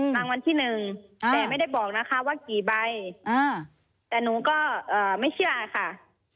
รางวัลที่หนึ่งแต่ไม่ได้บอกนะคะว่ากี่ใบแต่หนูก็ไม่เชื่อค่ะ